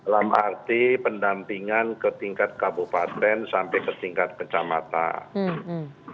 dalam arti pendampingan ke tingkat kabupaten sampai ke tingkat kecamatan